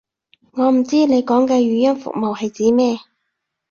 我唔知你講嘅語音服務係指咩